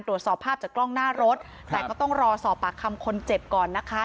ตรวจสอบภาพจากกล้องหน้ารถแต่ก็ต้องรอสอบปากคำคนเจ็บก่อนนะคะ